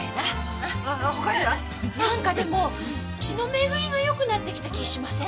なんかでも血の巡りがよくなってきた気しません？